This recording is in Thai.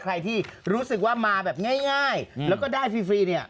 ใครที่รู้สึกว่ามาแบบง่ายแล้วก็ได้ฟรีเนี่ย